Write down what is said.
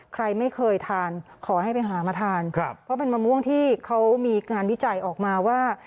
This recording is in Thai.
ใครไม่เคยทานขอให้ไปหามาทานครับเพราะเป็นมะม่วงที่เขามีการวิจัยออกมาว่า